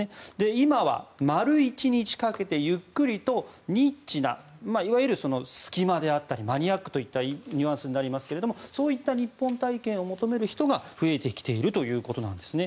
今は丸１日かけてゆっくりとニッチないわゆる隙間であったりマニアックといったニュアンスになりますがそういった日本体験を求める人が増えてきているということなんですね。